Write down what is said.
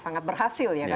karena mereka menanggung